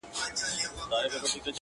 سیاه پوسي ده. ترې کډي اخلو.